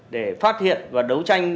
để phát hiện và đấu tranh